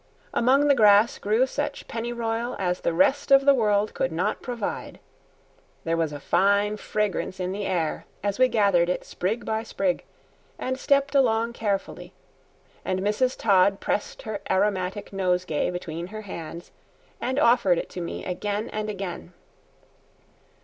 Among the grass grew such pennyroyal as the rest of the world could not provide. There was a fine fragrance in the air as we gathered it sprig by sprig and stepped along carefully, and Mrs. Todd pressed her aromatic nosegay between her hands and offered it to me again and again.